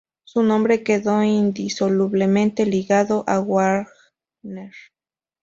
Su nombre quedó indisolublemente ligado a Wagner.